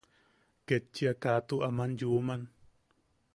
Ketchia ka tua aman yuman.